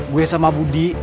gue sama budi